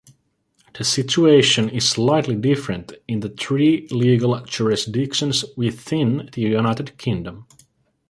The situation is slightly different in the three legal jurisdictions within the United Kingdom.